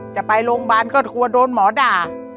จะไปโรงพยาบาลก็กลัวโดนหมอด่า